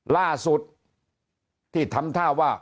ล่าสุดที่ทำท่าว่า